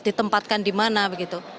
dan di mana begitu